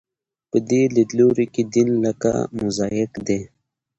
په دې لیدلوري کې دین لکه موزاییک دی.